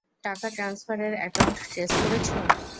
টাকা ট্রান্সফারের account trace করেছ?